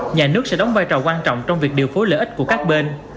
nhà nước sẽ đóng vai trò quan trọng trong việc điều phối lợi ích của các bên